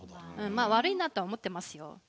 まあ悪いなとは思ってますよ。